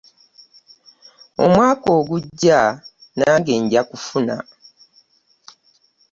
Omwaka ogujja nange nja kufuna.